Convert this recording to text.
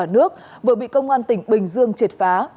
nước vừa bị công an tỉnh bình dương triệt phá